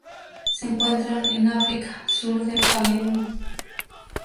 Se encuentran en África: sur del Camerún.